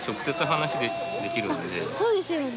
そうですよね。